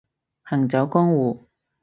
行走江湖